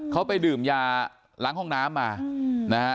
เขาไปดื่มยาล้างห้องน้ำมานะฮะ